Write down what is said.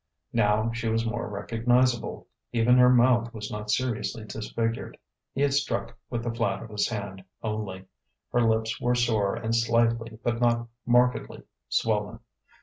Now she was more recognizable. Even her mouth was not seriously disfigured; he had struck with the flat of his hand only; her lips were sore and slightly but not markedly swollen.